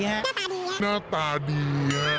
หน้าตาดี